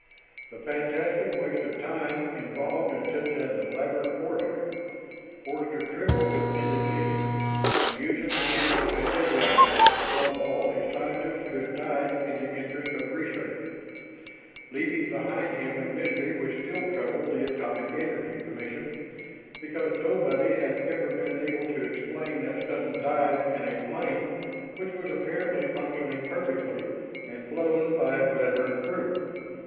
The fantastic waste of time involved in such an elaborate forgery ... Forster trembled with indignation. And using the name of a dead man, above all a scientist who had died in the interests of research, leaving behind him a mystery which still troubled the Atomic Energy Commission, because nobody had ever been able to explain that sudden dive in a plane which was apparently functioning perfectly, and flown by a veteran crew....